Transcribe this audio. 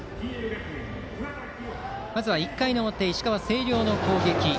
まず１回表、石川・星稜の攻撃。